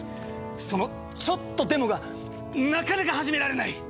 その「ちょっとでも」がなかなか始められない！